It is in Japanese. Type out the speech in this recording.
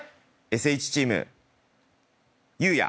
ＳＨチーム雄哉。